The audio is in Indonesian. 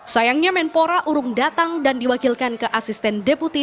sayangnya menpora urung datang dan diwakilkan ke asisten deputi